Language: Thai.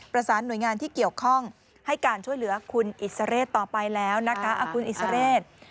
ประสานหน่วยงานที่เกี่ยวข้องให้การช่วยเหลือคุณอิสเรศต่อไปแล้วนะคะคุณอิสเรศ